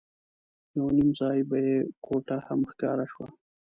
یو نیم ځای به یوه کوټه هم ښکاره شوه.